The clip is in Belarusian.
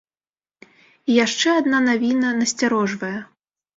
І яшчэ адна навіна насцярожвае.